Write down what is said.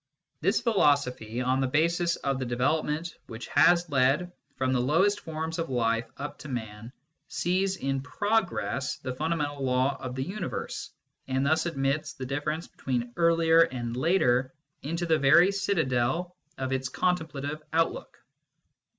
This philosophy, on the basis of the development which has led from the lowest forms of life up to man, sees in progress the fundamental law of the universe, and thus admits the difference between earlier and later into the very citadel of its contemplative outlook.